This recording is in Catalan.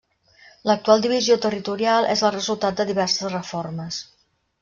L'actual divisió territorial és el resultat de diverses reformes.